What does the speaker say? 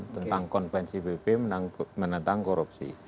tentang konvensi pp menentang korupsi